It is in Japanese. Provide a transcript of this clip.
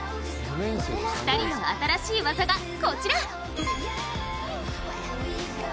２人の新しい技がこちら！